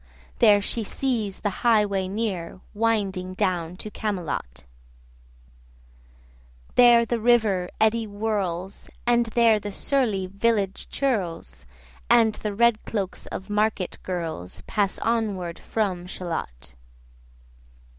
There she sees the highway near Winding down to Camelot: 50 There the river eddy whirls, And there the surly village churls, And the red cloaks of market girls, Pass onward from Shalott.